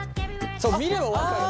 そう見れば分かる。